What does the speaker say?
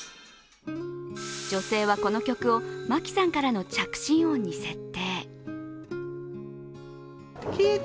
女性はこの曲を真樹さんからの着信音に設定。